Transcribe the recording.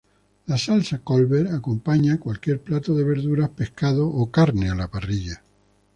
La salsa Colbert acompaña cualquier plato de verduras, pescado o carne a la parrilla.